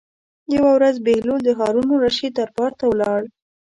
یوه ورځ بهلول د هارون الرشید دربار ته ولاړ.